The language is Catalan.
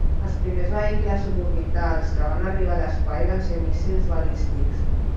Els primers vehicles suborbitals que van arribar a l'espai van ser míssils balístics.